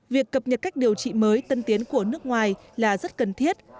việc cập nhật cách điều trị mới tân tiến của nước ngoài là rất cần thiết